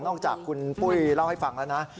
จากคุณปุ้ยเล่าให้ฟังแล้วนะ